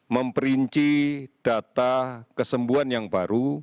memperinci data kesembuhan yang baru